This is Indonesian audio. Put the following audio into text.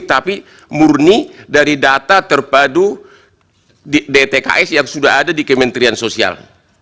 tapi murni dari data terpadu dtks yang sudah ada di kementerian sosial